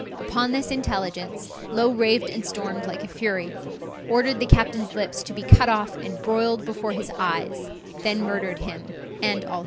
Upon this intelligence, Low raved and stormed like a fury, ordered the captain's lips to be cut off and broiled before his eyes, then murdered him and all his crew.